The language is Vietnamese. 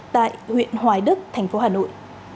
tại huyện hoài đức thành phố hà nội